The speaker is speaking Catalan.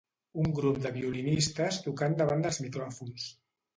Un grup de violinistes tocant davant dels micròfons.